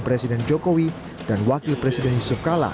presiden jokowi dan wakil presiden yusuf kala